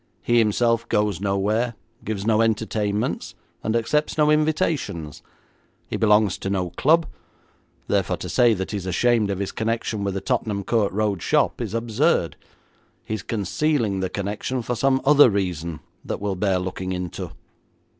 He himself goes nowhere, gives no entertainments, and accepts no invitations. He belongs to no club, therefore to say that he is ashamed of his connection with the Tottenham Court Road shop is absurd. He is concealing the connection for some other reason that will bear looking into.'